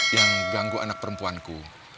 yang ganggu anak perempuanku